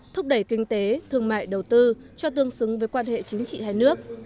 thúc đẩy kinh tế thương mại đầu tư cho tương xứng với quan hệ chính trị hai nước